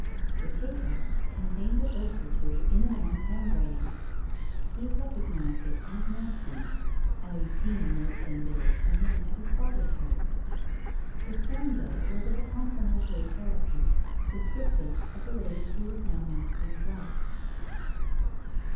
The paper contained a verse or two in a man's handwriting. He recognized it as Manston's, having seen notes and bills from him at his father's house. The stanza was of a complimentary character, descriptive of the lady who was now Manston's wife.